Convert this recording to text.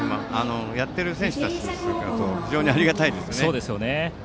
やっている選手からすると非常にありがたいですよね。